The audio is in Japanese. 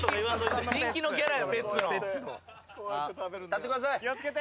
・立ってください。